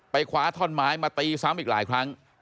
คว้าท่อนไม้มาตีซ้ำอีกหลายครั้ง